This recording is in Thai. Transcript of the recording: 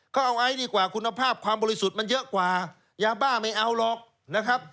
เขาเอาไอซ์ดีกว่าคุณภาพความบริสุทธิ์มันเยอะกว่ายาบ้าไม่เอาหรอกนะครับ